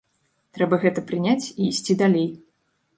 Трэба гэта прыняць і ісці далей.